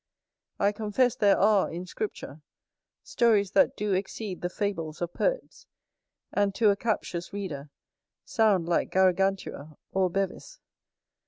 I confess there are, in Scripture, stories that do exceed the fables of poets, and, to a captious reader, sound like Garagantua or Bevis.